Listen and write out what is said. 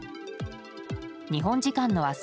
日本時間の明日